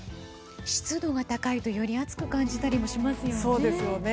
湿度が高いとより暑く感じますよね。